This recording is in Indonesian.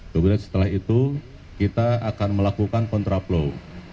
kemudian setelah itu kita akan melakukan kontraflow